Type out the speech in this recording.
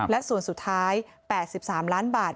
และส่วนสุดท้าย๘๓ล้านบาท